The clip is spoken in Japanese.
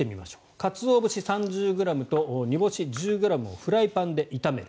カツオ節３０ｇと煮干し１０ｇをフライパンで炒める。